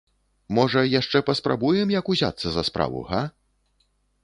Можа, яшчэ паспрабуем як узяцца за справу, га?